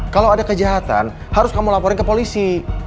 kalau ada kejahatan harus kamu laporin ke polisi